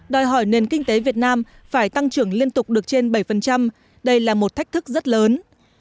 đòi hỏi nền kinh tế việt nam phải tăng trưởng liên tục được trên bảy đây là một thách thức rất lớn